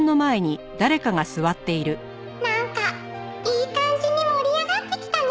「なんかいい感じに盛り上がってきたね